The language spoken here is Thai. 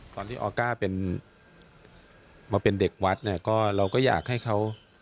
ตอนที่ออก้ามาเป็นเด็กวัดเราก็อยากให้เขา